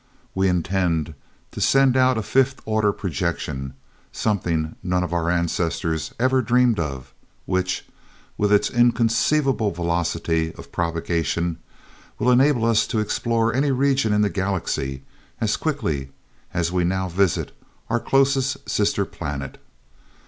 We intend to send out a fifth order projection, something none of our ancestors ever even dreamed of, which, with its inconceivable velocity of propagation, will enable us to explore any region in the galaxy as quickly as we now visit our closest sister planet.